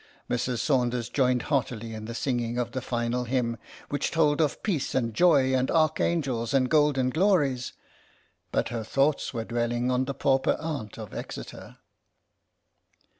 Mrs. Saunders joined heartily in the singing of the final hymn, which told of peace and joy and archangels and golden glories; but her thoughts were dwelling on the pauper aunt of Exeter.